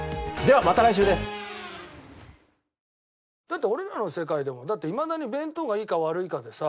だって俺らの世界でもいまだに弁当がいいか悪いかでさ